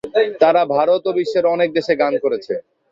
তারা ভারত ও বিশ্বের অনেক দেশে গান করেছে।